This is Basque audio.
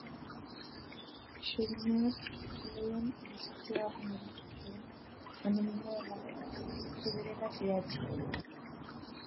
Xoriñoak kaloian hemezortzigarren mendeko poema anonimoa da, zubereraz idatzia.